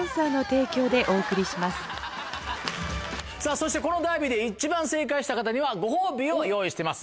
そしてこのダービーで一番正解した方にはご褒美を用意してます